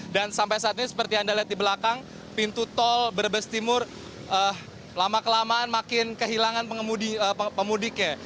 dan sampai saat ini seperti anda lihat di belakang pintu tol berbestimur lama kelamaan makin kehilangan pemudiknya